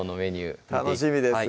楽しみです